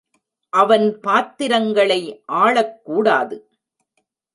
அவன் பாத்திரங்களை ஆளக்கூடாது.